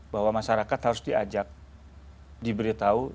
bahwa masyarakat harus diajak diberitahu